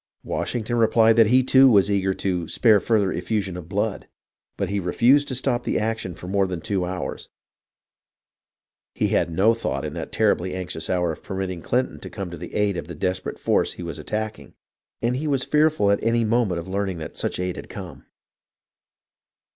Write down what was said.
Washington replied that he too was eager "to spare the further effusion of blood," but he refused to stop action for more than two hours. He had no thought in that terribly anxious hour of permitting Clinton to come to the aid of the desperate force he was attacking, and he was fearful any moment of learning that such aid had come.